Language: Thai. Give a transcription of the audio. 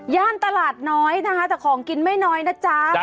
ย่านตลาดน้อยนะคะแต่ของกินไม่น้อยนะจ๊ะ